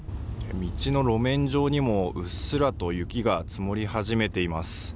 道の路面上にもうっすらと雪が積もり始めています。